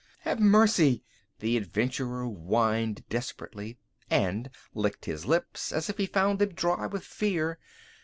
"Have mercy!" the adventurer whined desperately and licked his lips as if he found them dry with fear.